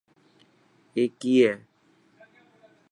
اي ڪي هي.